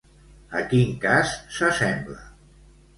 A quin cas s'assembla?